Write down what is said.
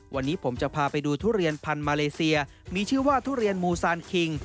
วันนี้ผมจะพาไปดูทุเรียนพันธุ์มาเลเซียมีชื่อว่าทุเรียนมูซานคิง